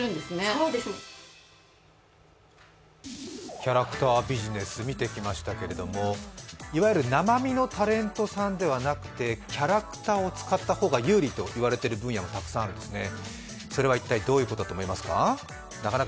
キャラクタービジネス見てきましたけれどもいわゆる生身のタレントさんではなくて、キャラクターを使った方が有利と言われている分野はたくさんあるんですね。